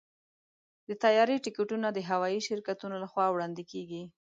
د طیارې ټکټونه د هوايي شرکتونو لخوا وړاندې کېږي.